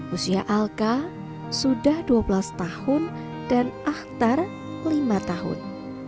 usia alka sudah dua belas tahun dan ahtar lima tahun